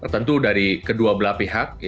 tentu dari kedua belah pihak